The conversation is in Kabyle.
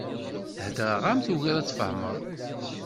Heddreɣ-am, tugiḍ ad tfehmeḍ.